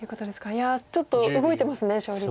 いやちょっと動いてますね勝率。